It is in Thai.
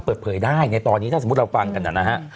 เปิดเผยได้ในตอนนี้ถ้าสมมุติเราฟังกันนะฮะ